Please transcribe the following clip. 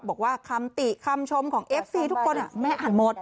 บอกว่าคำติคำชมของเอฟซีทุกคนแม่อ่านหมด